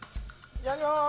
いただきます。